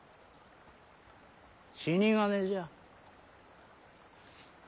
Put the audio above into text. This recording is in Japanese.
死に金じゃ。